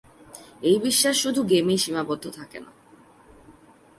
এই বিশ্বাস শুধু গেমেই সীমাবদ্ধ থাকে না।